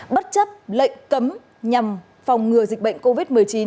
bất chấp lệnh cấm nhằm phòng ngừa dịch bệnh covid một mươi chín